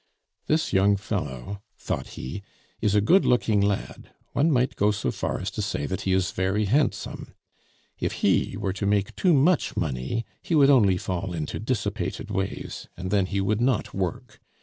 "This young fellow," thought he, "is a good looking lad; one might go so far as to say that he is very handsome. If he were to make too much money, he would only fall into dissipated ways, and then he would not work.